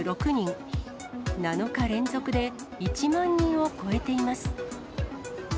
７日連続で１万人を超えています。